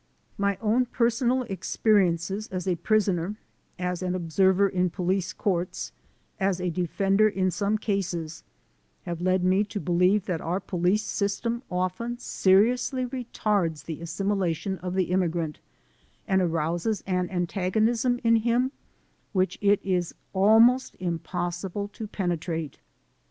My own personal experiences as a prisoner, as an observer in police courts, as a defender in some cases, have led me to believe that our police system often seriously retards the assimilation of the im migrant and arouses an antagonism in him which it is almost impossible to penetrate.